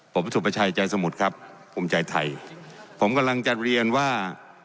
ผมสุประชัยใจสมุทรครับภูมิใจไทยผมกำลังจะเรียนว่า